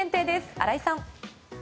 新井さん。